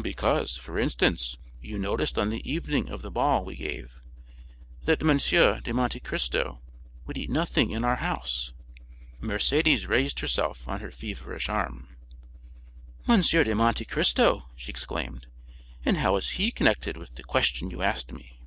"Because, for instance, you noticed on the evening of the ball we gave, that M. de Monte Cristo would eat nothing in our house." Mercédès raised herself on her feverish arm. "M. de Monte Cristo!" she exclaimed; "and how is he connected with the question you asked me?"